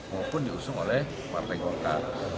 maupun diusung oleh partai golkar